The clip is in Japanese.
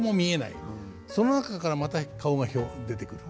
その中からまた顔がひょっと出てくる。